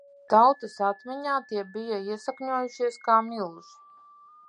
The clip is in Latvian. Tautas atmiņā tie bija iesakņojušies kā milži.